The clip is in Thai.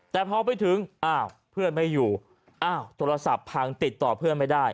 แต่พอไปถึงอ้าวเพื่อนไม่อยู่อ้าวโทรศัพท์พังติดต่อเพื่อนไม่ได้